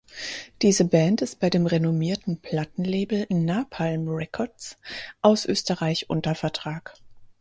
Diese Band ist bei dem renommierten Plattenlabel Napalm Records aus Österreich unter Vertrag.